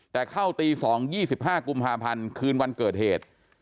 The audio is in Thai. แต่เข้าตี๒๒๕กุมภาพันธ์คืนวันเกิดเหตุ